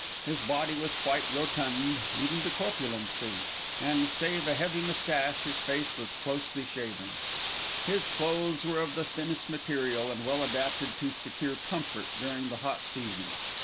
His body was quite rotund, even to corpulency; and, save a heavy moustache, his face was closely shaven. His clothes were of the thinnest material, and well adapted to secure comfort during the hot season.